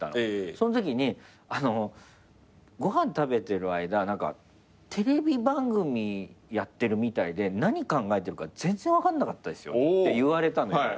そんときに「ご飯食べてる間テレビ番組やってるみたいで何考えてるか全然分かんなかったですよ」って言われたのよ。